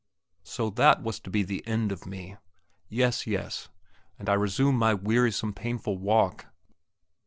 So that was to be the end of me! Yes, yes; and I resume my wearisome, painful walk.